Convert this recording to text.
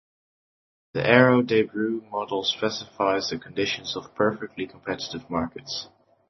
The Arrow-Debreu model specifies the conditions of perfectly competitive markets.